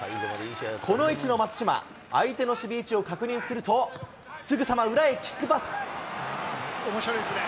この位置の松島、相手の守備位置を確認すると、すぐさま裏へキッおもしろいですね。